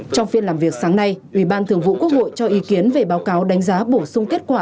trong phiên làm việc sáng nay ủy ban thường vụ quốc hội cho ý kiến về báo cáo đánh giá bổ sung kết quả